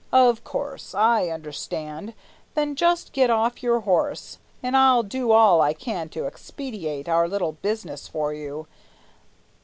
Of course, I understand; then just get off your horse, And I'll do all I can to expedite Our little business for you.